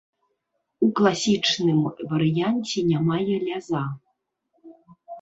У класічным варыянце не мае ляза.